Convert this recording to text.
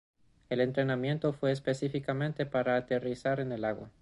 El entrenamiento fue específicamente para aterrizar en el agua.